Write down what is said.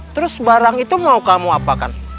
terus barang itu mau kamu apakan